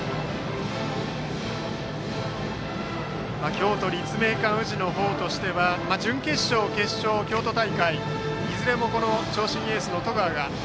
京都・立命館宇治としては準決勝、決勝、京都大会いずれも長身エースの十川が。